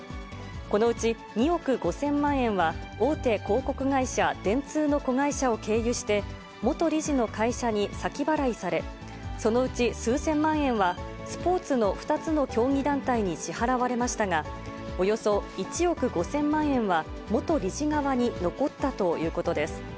このうち２億５０００万円は、大手広告会社、電通の子会社を経由して、元理事の会社に先払いされ、そのうち数千万円は、スポーツの２つの競技団体に支払われましたが、およそ１億５０００万円は、元理事側に残ったということです。